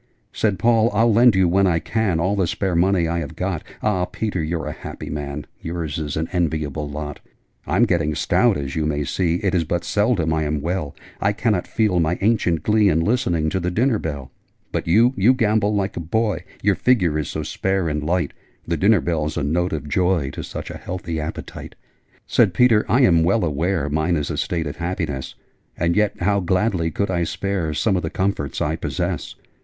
Said Paul' I'll lend you, when I can, All the spare money I have got Ah, Peter, you're a happy man! Yours is an enviable lot! {Image...Such boots as these you seldom see} 'I'm getting stout, as you may see: It is but seldom I am well: I cannot feel my ancient glee In listening to the dinner bell: But you, you gambol like a boy, Your figure is so spare and light: The dinner bell's a note of joy To such a healthy appetite!' Said Peter 'I am well aware Mine is a state of happiness: And yet how gladly could I spare Some of the comforts I possess!